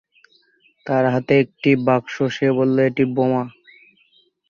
তার হাতে একটি বাক্স; সে বললো এটি বোমা।